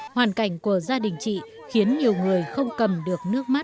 hoàn cảnh của gia đình chị khiến nhiều người không cầm được nước mắt